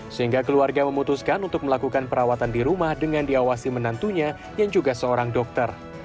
sehingga keluarga memutuskan untuk melakukan perawatan di rumah dengan diawasi menantunya yang juga seorang dokter